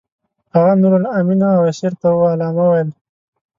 هغه نورالامین او اسیر ته علامه ویل.